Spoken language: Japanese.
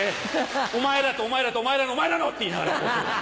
お前らとお前らとお前らのお前らの！って言いながら掃除する。